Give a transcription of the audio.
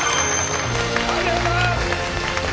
ありがとうございます。